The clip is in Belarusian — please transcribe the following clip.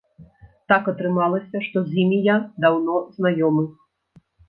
Так атрымалася, што з імі я даўно знаёмы.